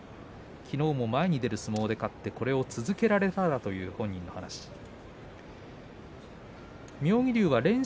きのうも前に出る相撲で勝ってこれを続けられたらという本人の話です。